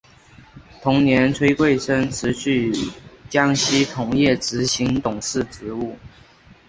同年崔贵生辞去江西铜业执行董事职务。